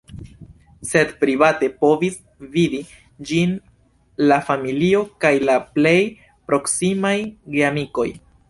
Sed private povis vidi ĝin la familio kaj la plej proksimaj geamikoj.